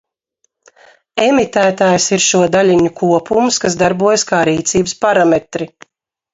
Emitētājs ir šo daļiņu kopums, kas darbojas kā rīcības parametri.